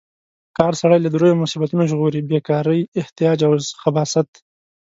کار سړی له دریو مصیبتونو ژغوري: بې کارۍ، احتیاج او خباثت.